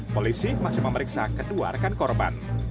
polisi masih memeriksa kedua rekan korban